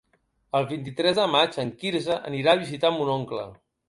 El vint-i-tres de maig en Quirze anirà a visitar mon oncle.